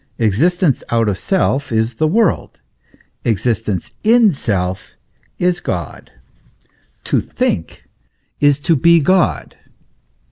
Existence out of self is the world, exist ence in self is God. To think is to be God.